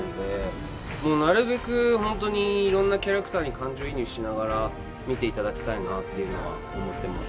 もうなるべく本当にいろんなキャラクターに感情移入しながら見て頂きたいなっていうのは思ってます。